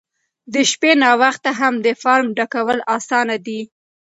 د شپې ناوخته هم د فارم ډکول اسانه دي.